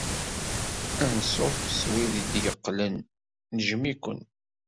Anṣuf s wid d-yeqqlen. Nejjem-iken.